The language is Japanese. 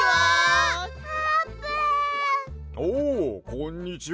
おうこんにちは。